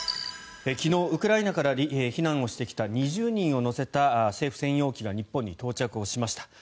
昨日、ウクライナから避難をしてきた２０人を乗せた政府専用機が日本に到着をしました。